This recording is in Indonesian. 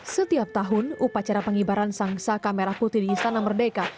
setiap tahun upacara pengibaran sang saka merah putih di istana merdeka